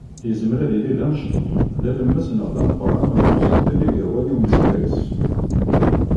Yezmer ad yili d amecṭuḥ, d alemmas neɣ d ameqqran ɣef usentel i yehwan i umeskar-is.